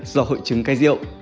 do hội chứng cai rượu